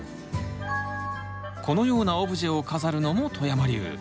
このようなオブジェを飾るのも外山流！